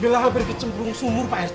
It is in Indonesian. bella hampir kejembur sumur pak rt